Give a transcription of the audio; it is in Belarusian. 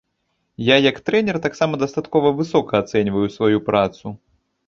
Я як трэнер таксама дастаткова высока ацэньваю сваю працу.